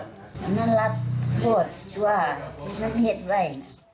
แล้วมันรับโทษตัวทั้งเทศไว้